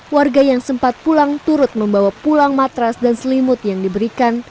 warga yang sempat pulang turut membawa pulang matras dan selimut yang diberikan